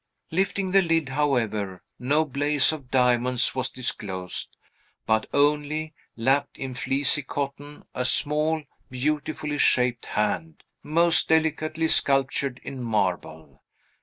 Lifting the lid, however, no blaze of diamonds was disclosed, but only, lapped in fleecy cotton, a small, beautifully shaped hand, most delicately sculptured in marble.